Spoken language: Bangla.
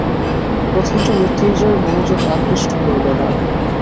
প্রথমটা মৃত্যুঞ্জয়ের মনোযোগ আকৃষ্ট হইল না।